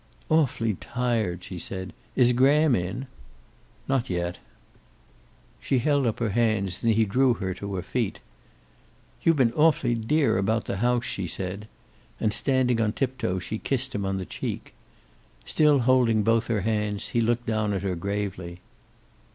"Awfully tired," she said. "Is Graham in?" "Not yet." She held up her hands, and he drew her to her feet. "You've been awfully dear about the house," she said. And standing on tiptoe, she kissed him on the cheek. Still holding both her hands, he looked down at her gravely.